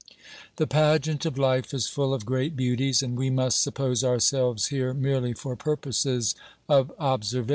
The pageant of life is full of great beauties, and we must suppose ourselves here merely for purposes of observation.